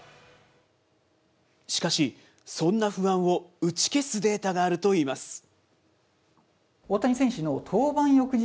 しかし、そんな不安を打ち消すデータがあるといいます。